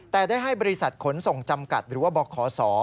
แต่ได้ให้บริษัทขนส่งจำกัดหรือบริษัทข่อสอ